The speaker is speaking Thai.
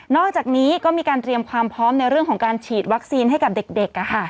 อกจากนี้ก็มีการเตรียมความพร้อมในเรื่องของการฉีดวัคซีนให้กับเด็ก